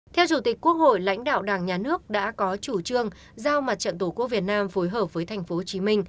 theo chủ tịch quốc hội lãnh đạo đảng nhà nước đã có chủ trương giao mặt trận tổ quốc việt nam phối hợp với tp hcm